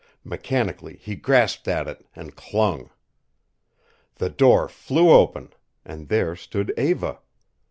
Mechanically he grasped at it and clung. The door flew open, and there stood Eva.